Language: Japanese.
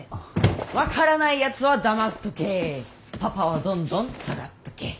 分からない奴は黙っとけパパはどんどん尖っとけ